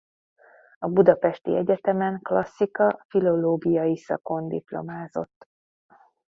A budapesti egyetemen klasszika-filológiai szakon diplomázott.